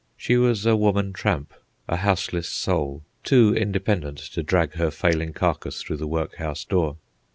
She was a woman tramp, a houseless soul, too independent to drag her failing carcass through the workhouse door.